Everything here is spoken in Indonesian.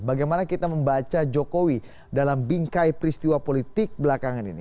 bagaimana kita membaca jokowi dalam bingkai peristiwa politik belakangan ini